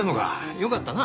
よかったな。